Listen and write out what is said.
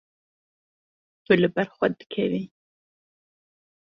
Tu li ber xwe dikevî.